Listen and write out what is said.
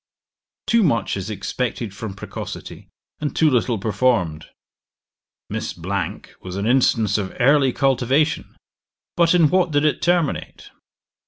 Too much is expected from precocity, and too little performed. Miss was an instance of early cultivation, but in what did it terminate?